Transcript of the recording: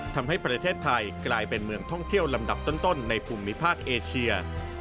ทำให้ประเทศไทยกลายเป็นเมืองท่องเที่ยวลำดับต้นในภูมิภาคเอเชีย